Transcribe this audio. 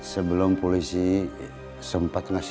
sebelum polisi sempat ngasih